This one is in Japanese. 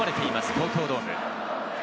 東京ドーム。